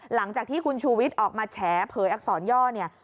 หลังจากที่คุณชูวิทย์ออกมาแฉเผยอักษรย่อเนี่ย